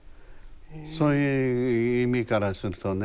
そういう意味からするとね。